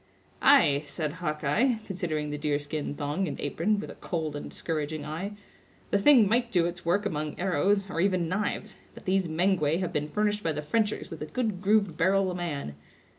"Ay!" said Hawkeye, considering the deer skin thong and apron, with a cold and discouraging eye; "the thing might do its work among arrows, or even knives; but these Mengwe have been furnished by the Frenchers with a good grooved barrel a man.